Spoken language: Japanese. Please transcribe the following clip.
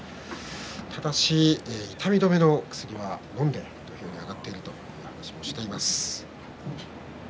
ただし痛み止めの薬はのんで土俵に上がっているという話をしています。